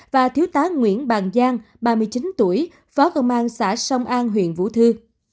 và thiếu tá nguyễn bàn giang ba mươi chín tuổi phó công an xã sông an huyện vũ thư